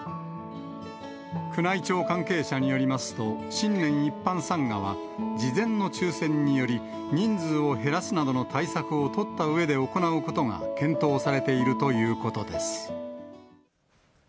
宮内庁関係者によりますと、新年一般参賀は事前の抽せんにより、人数を減らすなどの対策を取ったうえで行うことが検討されているということです。